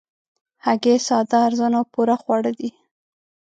هګۍ ساده، ارزانه او پوره خواړه دي